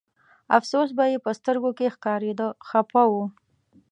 افسوس به یې په سترګو کې ښکارېده خپه و.